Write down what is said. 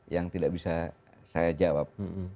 yang tidak bisa saya jawab